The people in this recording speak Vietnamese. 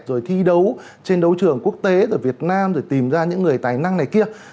rồi thi đấu trên đấu trường quốc tế rồi việt nam rồi tìm ra những người tài năng này kia